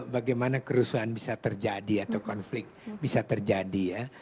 bagaimana kerusuhan bisa terjadi atau konflik bisa terjadi ya